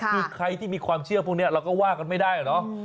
คือใครที่มีความเชื่อพวกนี้เราก็ว่ากันไม่ได้เนอะ